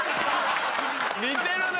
似てるね。